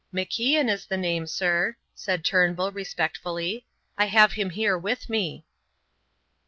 "MacIan is the name, sir," said Turnbull, respectfully; "I have him here with me."